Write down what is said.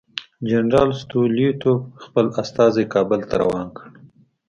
جنرال ستولیتوف خپل استازی کابل ته روان کړ.